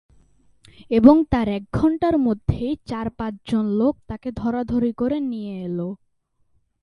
এবং তার এক ঘণ্টার মধ্যেই চার-পাঁচ জন লোক তাকে ধরাধরি করে নিয়ে এল।